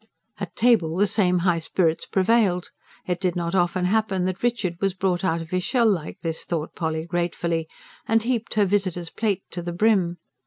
At table the same high spirits prevailed: it did not often happen that Richard was brought out of his shell like this, thought Polly gratefully, and heaped her visitor's plate to the brim.